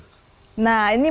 nah ini menebarkan mimpi